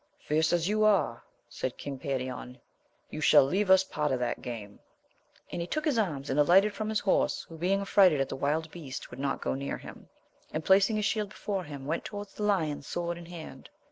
Fierce as you are, said King Perion, you shall leave us part of the game ! and he took his arms and alighted from his horse, who being affrighted at the wild beast would not go near him, and placing his shield before him went towards the lion sword in hand.